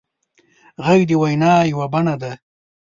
غږ د وینا یوه بڼه ده